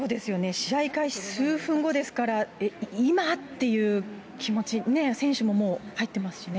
試合開始数分後ですから、今っていう気持ち、選手ももう、入ってますしね。